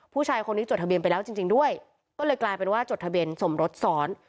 ผู้ชายคนนี้จดทะเบียนไปแล้วจริงจริงด้วยก็เลยกลายเป็นว่าจดทะเบียนสมรสซ้อน